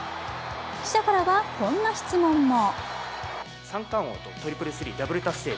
記者からはこんな質問も。